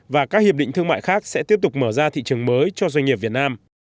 và các hiệp định thương mại khác sẽ tiếp tục mở ra thị trường mới cho doanh nghiệp việt nam